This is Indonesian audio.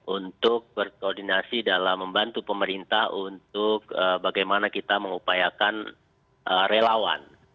untuk berkoordinasi dalam membantu pemerintah untuk bagaimana kita mengupayakan relawan